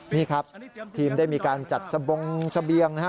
นี่ครับทีมได้มีการจัดสะเบียง